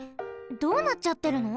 どうなっちゃってるの？